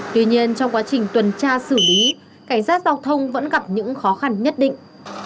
tuy nhiên trong quá trình tuần tra xử lý cảnh sát giao thông vẫn gặp những khó khăn nhất định